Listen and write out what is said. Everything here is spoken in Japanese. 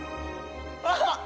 あっ。